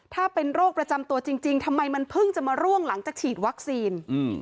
ถ้าเป็นโรคประจำตัวจริงทำไมมันเพิ่งจะมาร่วงหลังจากฉีดวัคซีน